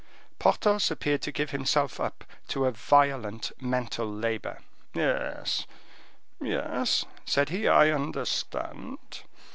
Porthos appeared to give himself up to a violent mental labor. "Yes, yes," said he, "I understand.